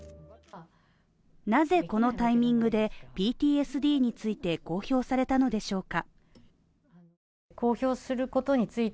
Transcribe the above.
なぜこのタイミングでＰＴＳＤについて公表されたのでしょうか？